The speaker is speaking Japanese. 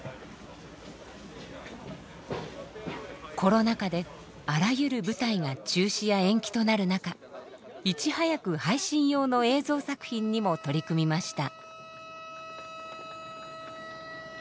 コロナ禍であらゆる舞台が中止や延期となる中いち早く配信用の映像作品にも取り組みました。